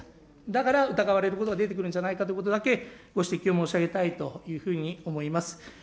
だから疑われることが出てくるんじゃないかということだけご指摘を申し上げたいというふうに思います。